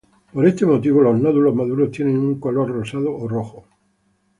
Por este motivo los nódulos maduros tienen un color rosado o rojo.